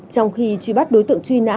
trong khi truy bắt đối tượng truy nã